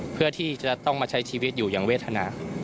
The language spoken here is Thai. เพื่อที่จะต้องมาใช้ชีวิตอยู่อย่างเวทนา